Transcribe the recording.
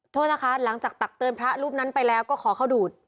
โทษนะคะหลังจากตักเตือนพระรูปนั้นไปแล้วก็ขอเข้าดูด